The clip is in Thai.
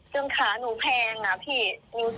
ขาหนูแพงอะพี่